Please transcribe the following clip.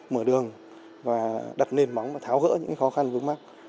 mở đường và đặt nền móng và tháo gỡ những khó khăn vướng mắt